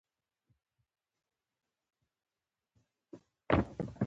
د سګرټ د پرېښودو لپاره د زنجبیل او لیمو ګډول وکاروئ